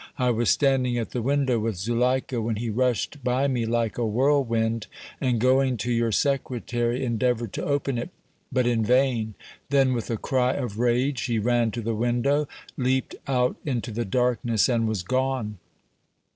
"I was standing at the window with Zuleika when he rushed by me like a whirlwind, and going to your secretary endeavored to open it, but in vain; then with a cry of rage he ran to the window, leaped out into the darkness and was gone!